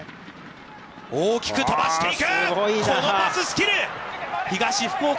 大きく飛ばしていく。